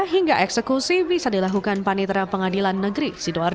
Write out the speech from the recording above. hingga eksekusi bisa dilakukan panitera pengadilan negeri sidoarjo